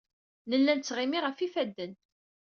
Nella nettɣimi ɣef yifadden.